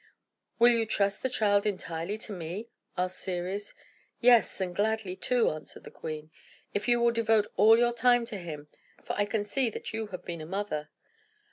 "Will you trust the child entirely to me?" asked Ceres. "Yes, and gladly, too," answered the queen, "if you will devote all your time to him. For I can see that you have been a mother."